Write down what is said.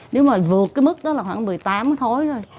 nếu mà vượt cái mức đó là khoảng một mươi tám khối thôi